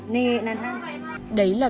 đấy là câu hỏi của anh em